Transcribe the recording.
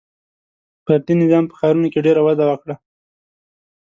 • فردي نظام په ښارونو کې ډېر وده وکړه.